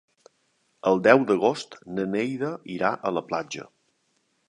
El deu d'agost na Neida irà a la platja.